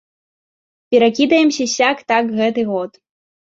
Перакідаемся сяк-так гэты год.